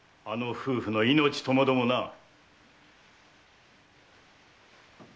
あの夫婦の命ともどもな。